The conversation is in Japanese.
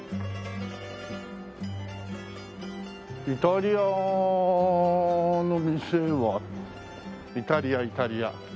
イタリアの店はイタリアイタリア。